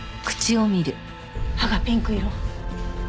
歯がピンク色。